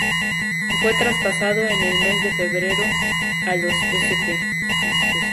Fue traspasado en el mes de febrero a los St.